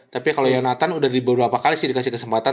tapi kalau yonatan udah di beberapa kali sih dikasih kesempatan